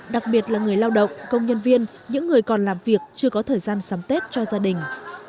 đặc biệt là người lao động công nhân viên những người còn làm việc chưa có thời gian sắm tết cho gia đình